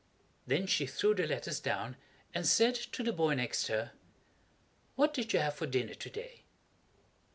Then she threw the letters down and said to the boy next her, "What did you have for dinner to day?"